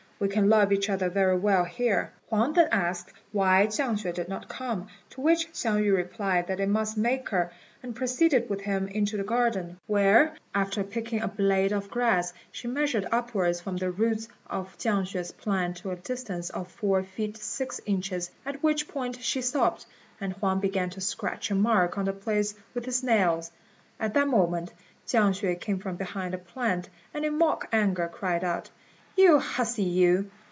We can love each other very well here." Huang then asked why Chiang hsüeh did not come; to which Hsiang yü replied that they must make her, and proceeded with him into the garden, where, after picking a blade of grass, she measured upwards from the roots of Chiang hsüeh's plant to a distance of four feet six inches, at which point she stopped, and Huang began to scratch a mark on the place with his nails. At that moment Chiang hsüeh came from behind the plant, and in mock anger cried out, "You hussy you!